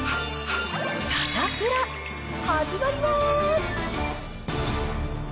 サタプラ、始まりまーす。